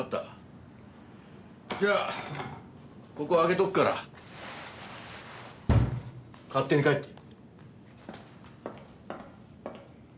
じゃあここ開けとくから勝手に帰って。